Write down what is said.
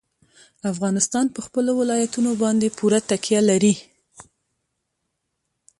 افغانستان په خپلو ولایتونو باندې پوره تکیه لري.